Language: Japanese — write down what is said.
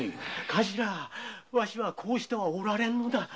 頭わしはこうしてはおられんのだ。